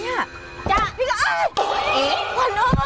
จ้ะพี่กบอ้าวขวันมา